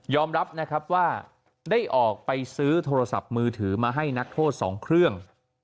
รับนะครับว่าได้ออกไปซื้อโทรศัพท์มือถือมาให้นักโทษ๒เครื่อง